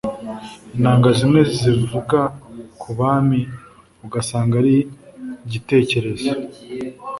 inanga zimwe zivuga ku bami, ugasanga ari gitekerezo